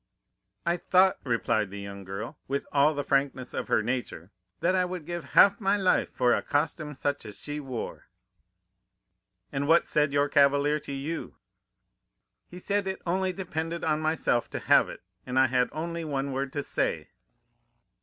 "'I thought,' replied the young girl, with all the frankness of her nature, 'that I would give half my life for a costume such as she wore.' "'And what said your cavalier to you?' "'He said it only depended on myself to have it, and I had only one word to say.